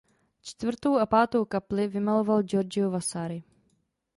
Čtvrtou a pátou kapli vymaloval Giorgio Vasari.